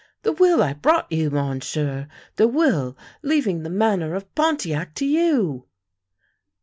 The will I brought you, Monsieur. The will leaving the Manor of Pontiac to you!